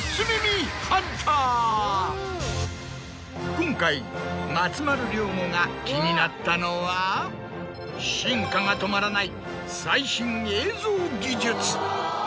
今回松丸亮吾が気になったのは進化が止まらない。